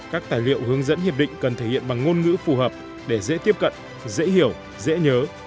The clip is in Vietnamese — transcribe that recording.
các tài liệu hướng dẫn hiệp định cần thể hiện bằng ngôn ngữ phù hợp để dễ tiếp cận dễ hiểu dễ nhớ